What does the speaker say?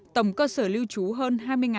tổng cơ sở lưu trú hơn hai mươi một trăm linh